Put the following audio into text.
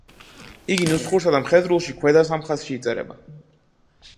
იგი ნუსხურსა და მხედრულში ქვედა სამ ხაზში იწერება.